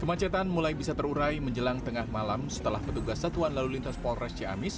kemacetan mulai bisa terurai menjelang tengah malam setelah petugas satuan lalu lintas polres ciamis